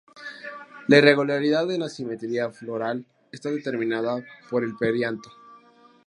La irregularidad en la simetría floral está determinada por el perianto.